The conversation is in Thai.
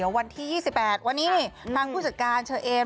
๓๖วัน๒๘ปีวันนี้ทางผู้จัดการเชอเอม